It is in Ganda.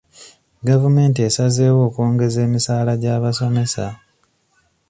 Gavumenti esazeewo okwongeza emisaala gy'abasomesa.